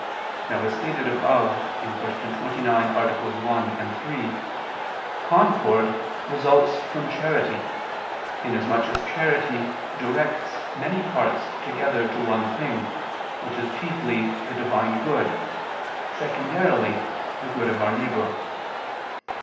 Now, as stated above (Q. 29, AA. 1, 3) concord results from charity, in as much as charity directs many hearts together to one thing, which is chiefly the Divine good, secondarily, the good of our neighbor.